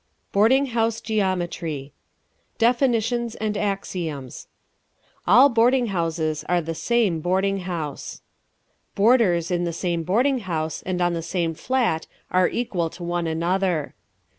Boarding House Geometry DEFINITIONS AND AXIOMS All boarding houses are the same boarding house. Boarders in the same boarding house and on the same flat are equal to one another.